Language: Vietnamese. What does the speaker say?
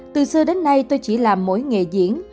từ xưa đến nay tôi chỉ làm mỗi nghệ diễn